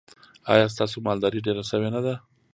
ایا ستاسو مالداري ډیره شوې نه ده؟